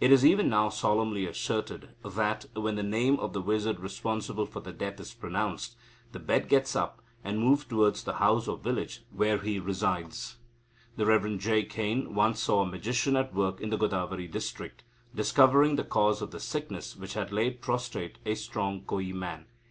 It is even now solemnly asserted that, when the name of the wizard responsible for the death is pronounced, the bed gets up, and moves towards the house or village where he resides." The Rev. J. Cain once saw a magician at work in the Godavari district, "discovering the cause of the sickness which had laid prostrate a strong Koyi man.